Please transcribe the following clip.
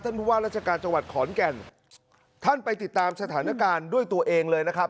ผู้ว่าราชการจังหวัดขอนแก่นท่านไปติดตามสถานการณ์ด้วยตัวเองเลยนะครับ